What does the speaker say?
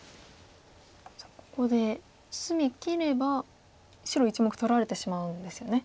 さあここで隅切れば白１目取られてしまうんですよね。